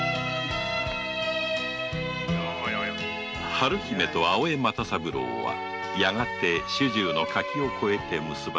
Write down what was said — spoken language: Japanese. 春姫と青江又三郎はやがて主従の垣を越えて結ばれた